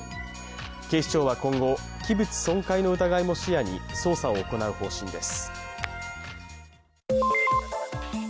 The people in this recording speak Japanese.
警視庁は今後、器物損壊の疑いも視野に捜査を行う方針です。